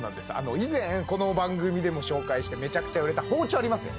以前この番組でも紹介してめちゃくちゃ売れた包丁ありますよね